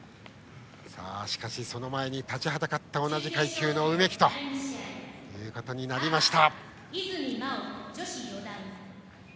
しかし、その前に立ちはだかったのは同じ階級の梅木ということになりました。